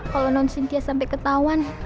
kalau non synches sampai ketahuan